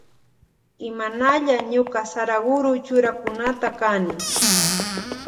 Imanalla ñuka Saraguro churakunata kani.